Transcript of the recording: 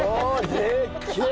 でっけえ！